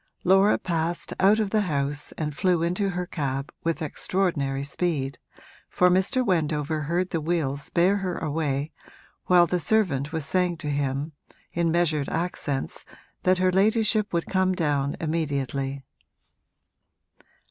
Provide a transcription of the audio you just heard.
Laura passed out of the house and flew into her cab with extraordinary speed, for Mr. Wendover heard the wheels bear her away while the servant was saying to him in measured accents that her ladyship would come down immediately.